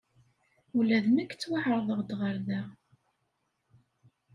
Ula d nekk ttwaɛerḍeɣ-d ɣer da.